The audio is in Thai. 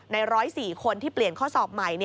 ๑๐๔คนที่เปลี่ยนข้อสอบใหม่